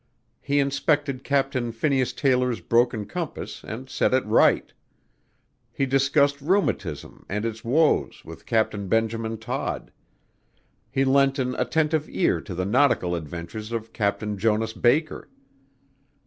He inspected Captain Phineas Taylor's broken compass and set it right; he discussed rheumatism and its woes with Captain Benjamin Todd; he lent an attentive ear to the nautical adventures of Captain Jonas Baker.